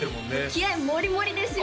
気合モリモリですよ